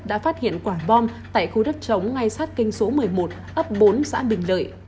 đã phát hiện quả bom tại khu đất chống ngay sát kinh số một mươi một ấp bốn xã bình lợi